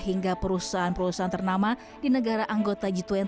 hingga perusahaan perusahaan ternama di negara anggota g dua puluh